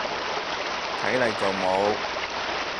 睇嚟就冇